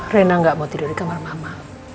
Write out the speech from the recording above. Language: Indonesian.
rina gak mau tidur di kamar mama